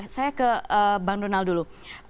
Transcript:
saya ke bang donald dulu